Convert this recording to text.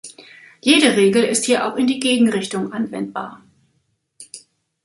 Jede Regel ist hier auch in die Gegenrichtung anwendbar.